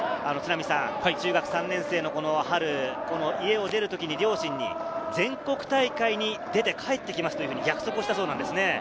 中学３年生の春、家を出る時に両親に、全国大会に出て帰ってきますと約束したそうなんです。